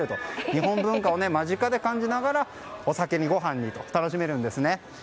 日本文化を間近で感じながらお酒に、ご飯にと楽しめるんですね。